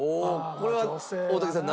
これは大竹さん